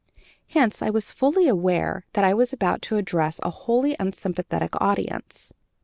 Hence I was fully aware that I was about to address a wholly unsympathetic audience.